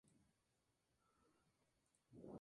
La escuela cambió de nombre en varias ocasiones.